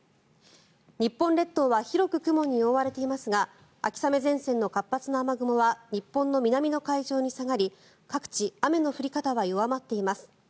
日本列島は広く雲に覆われていますが秋雨前線の活発な雨雲は日本の南の海上に下がり各地、雨の降り方は弱まっています。